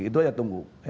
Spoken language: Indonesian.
itu aja tunggu